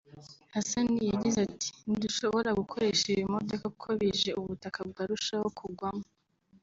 Hassan yagize ati “Ntidushobora gukoresha ibi bimodoka kuko bije ubutaka bwarushaho kugwamo